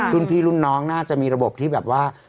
รุ่นพี่รุ่นน้องน่าจะมีระบบที่แบบว่า